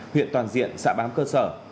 huyện toàn diện xã bám cơ sở